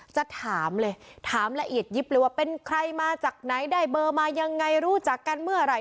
จะถามเลยถามละเอียดยิบเลยว่าเป็นใครมาจากไหนได้เบอร์มายังไงรู้จักกันเมื่อไหร่